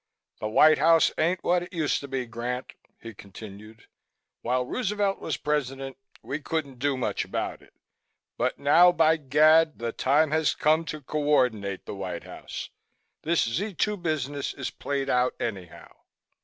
"The White House ain't what it used to be, Grant," he continued. "While Roosevelt was President we couldn't do much about it, but now, by gad! the time has come to coordinate the White House. This Z 2 business is played out anyhow."